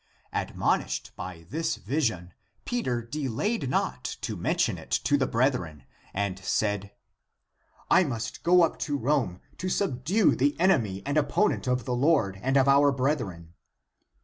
Admonished by this vision, Peter delayed not to mention it to the brethren and said, " I must go up to Rome, to sub due the enemy and opponent of the Lord and of our brethren."